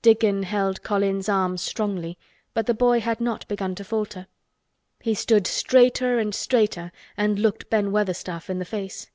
Dickon held Colin's arm strongly but the boy had not begun to falter. He stood straighter and straighter and looked Ben Weatherstaff in the face.